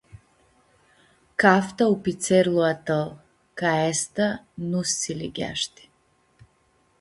Caftã u-pi tserlu a tãl, cã aestã nu s-siligheashti.